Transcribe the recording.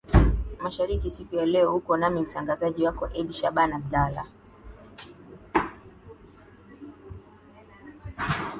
masharaki siku ya leo uko nami mtangazaji wako ebi shaban abdala